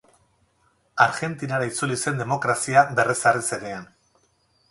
Argentinara itzuli zen demokrazia berrezarri zenean.